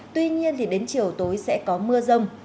tuy nhiên thì đến chiều tối sẽ có mưa rông